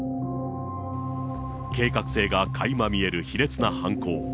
計画性がかいま見える卑劣な犯行。